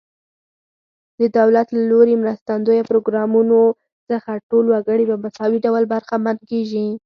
د دولت له لوري مرستندویه پروګرامونو څخه ټول وګړي په مساوي ډول برخمن کیږي.